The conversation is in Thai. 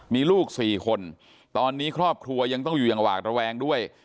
มีลูก๔คนตอนนี้ครอบครัวยังต้องอยู่อย่างหวาดระแวงด้วย